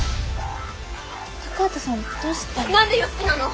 高畑さんどうしたの？